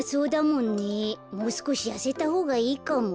もうすこしやせたほうがいいかも。